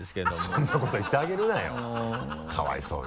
そんなこと言ってあげるなよかわいそうに。